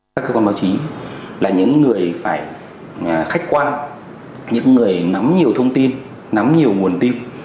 các cơ quan báo chí là những người phải khách quan những người nắm nhiều thông tin nắm nhiều nguồn tin